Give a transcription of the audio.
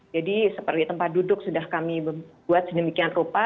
jadi seperti tempat duduk sudah kami buat sedemikian rupa